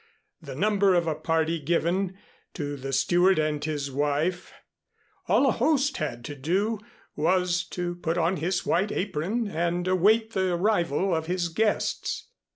The number of a party given, to the steward and his wife, all a host had to do was to put on his white apron and await the arrival of his guests.